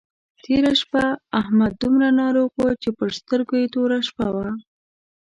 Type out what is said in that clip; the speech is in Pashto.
تېره شپه احمد دومره ناروغ وو چې پر سترګو يې توره شپه وه.